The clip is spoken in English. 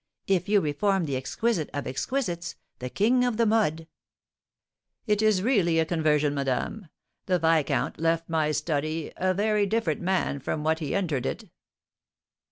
If you reform the exquisite of exquisites, the King of the Mode " "It is really a conversion, madame. The viscount left my study a very different man from what he entered it."